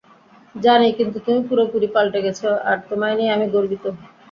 জানি, কিন্তু তুমি পুরোপুরি পালটে গেছ, আর তোমায় নিয়ে আমি গর্বিত।